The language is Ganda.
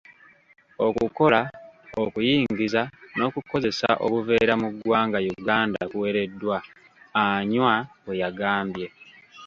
“Okukola, okuyingiza, n'okukozesa obuveera mu ggwanga Uganda kuwereddwa,” Anywar bwe yagambye.